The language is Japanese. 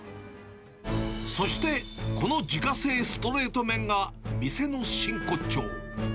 そして、この自家製ストレート麺が、店の真骨頂。